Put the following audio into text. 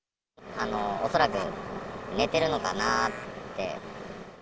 恐らく寝てるのかなって。